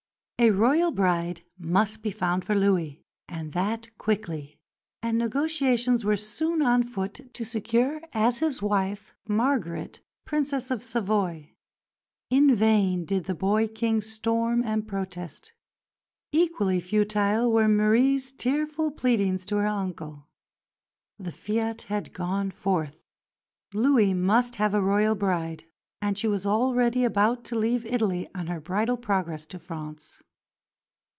A Royal bride must be found for Louis, and that quickly; and negotiations were soon on foot to secure as his wife Margaret, Princess of Savoy. In vain did the boy King storm and protest; equally futile were Marie's tearful pleadings to her uncle. The fiat had gone forth. Louis must have a Royal bride; and she was already about to leave Italy on her bridal progress to France.